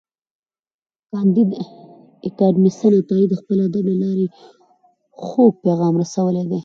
کانديد اکاډميسن عطایي د خپل ادب له لارې خوږ پیغام رسولی دی.